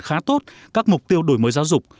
khá tốt các mục tiêu đổi mới giáo dục